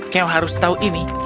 kau harus tahu ini